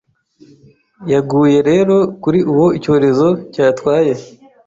Yaguye rero kuri uwo icyorezo cyatwaye